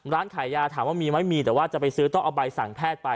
ร้านขายยาถามว่ามีไหมมีแต่ว่าจะไปซื้อต้องเอาใบสั่งแพทย์ไป